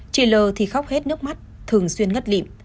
chị l thì khóc hết nước mắt thường xuyên ngất lịm